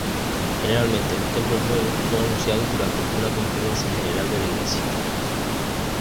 Generalmente los templos nuevos son anunciados durante una conferencia general de la Iglesia.